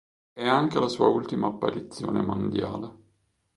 È anche la sua ultima apparizione mondiale.